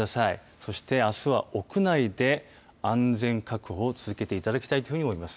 そして、あすは屋内で安全確保を続けていただきたいというふうに思います。